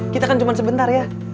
kita kan cuma sebentar ya